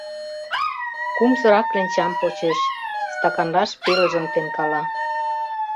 Кум сыра кленчам почеш, стаканлаш пелыжым темкала.